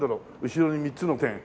後ろに３つの点。